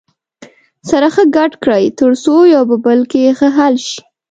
سره ښه ګډ کړئ تر څو یو په بل کې ښه حل شي.